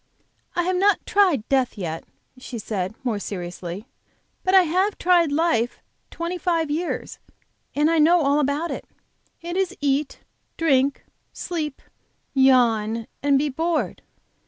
"I have not tried death yet," she said, more seriously; "but I have tried life twenty five years and I know all about it. It is eat, drink, sleep yawn and be bored.